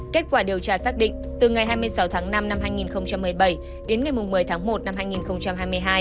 kết quả điều tra xác định từ ngày hai mươi sáu tháng năm năm hai nghìn một mươi bảy đến ngày một mươi tháng một năm hai nghìn hai mươi hai